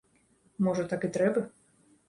Можа, так і трэба?